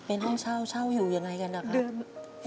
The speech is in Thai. เป็นห้องเช่าเช่าอยู่ยังไงกันนะครับ